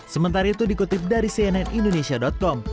sementara itu dikutip dari cnnindonesia com